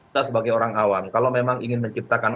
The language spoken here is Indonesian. kita sebagai orang awam kalau memang ingin menciptakan